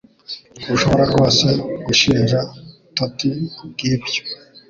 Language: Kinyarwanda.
Ntushobora rwose gushinja Toti kubwibyo